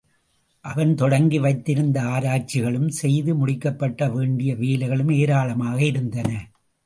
அவன் தொடங்கி வைத்திருந்த ஆராய்ச்சிகளும், செய்து முடிக்கப்பட வேண்டிய வேலைகளும் எராளமாக இருந்தன.